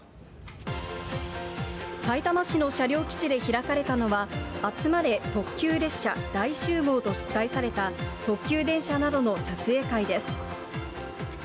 さいたま市の車両基地で開かれたのは、あつまれ特急列車大集合と題された、特急電車などの撮影会です。